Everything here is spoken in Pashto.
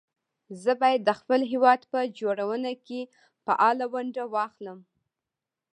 زه بايد د خپل هېواد په جوړونه کې فعاله ونډه واخلم